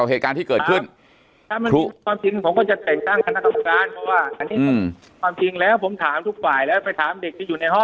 แต่คุณยายจะขอย้ายโรงเรียน